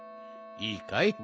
いいかい？